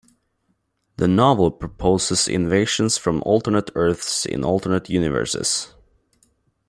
The novel proposes invasions from alternate Earths in alternate universes.